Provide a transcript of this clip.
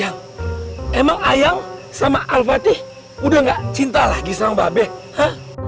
yang emang ayang sama alfati udah gak cinta lagi sama mbak be hah